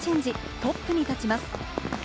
トップに立ちます。